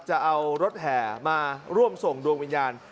จะเอารถแห่มาร่วมส่งดวงวิญญาณ